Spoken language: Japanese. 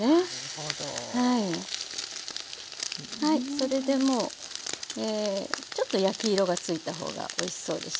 それでもうちょっと焼き色がついたほうがおいしそうでしょ。